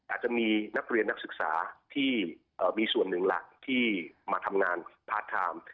อาจจะมีนักเรียนนักศึกษาที่มีส่วนหนึ่งล่ะที่มาทำงานพาร์ทไทม์